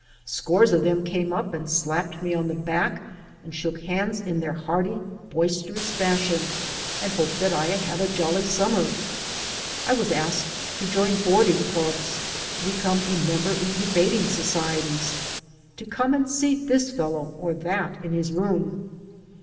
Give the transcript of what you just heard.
Scores of them came up and slapped me on the back and shook hands in their hearty, boisteroiis fashion, and hoped that I had had a jolly summer. I was asked to join boardingK^ubs, to become a member in debating societies, to come and see this f dlow or that in his room.